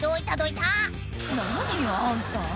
「何よ？あんた」